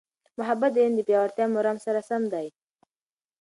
محبت د علم د پیاوړتیا مرام سره سم دی.